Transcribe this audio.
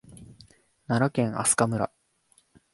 奈良県明日香村